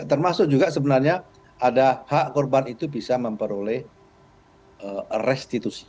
termasuk juga sebenarnya ada hak korban itu bisa memperoleh restitusi